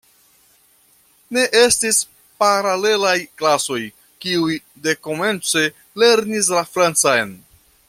Ne estis paralelaj klasoj, kiuj dekomence lernis la francan.